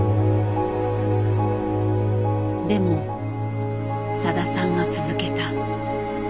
でもさださんは続けた。